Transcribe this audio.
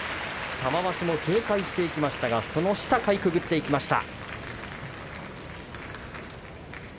玉鷲も警戒してきましたがその下をかいくぐってきました。